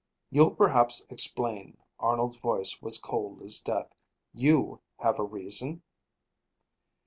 "You'll perhaps explain." Arnold's voice was cold as death. "You have a reason?"